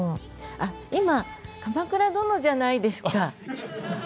あっ今鎌倉殿じゃないですか。